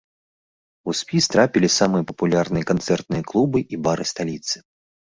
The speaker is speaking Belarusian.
У спіс трапілі самыя папулярныя канцэртныя клубы і бары сталіцы.